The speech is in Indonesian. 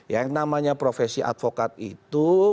yang namanya profesi advokat itu